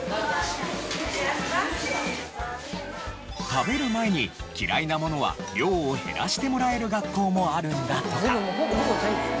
食べる前に嫌いなものは量を減らしてもらえる学校もあるんだとか。